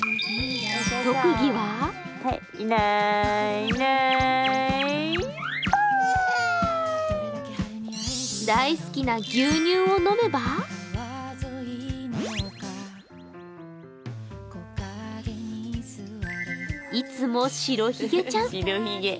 特技は大好きな牛乳を飲めばいつも白ひげちゃん。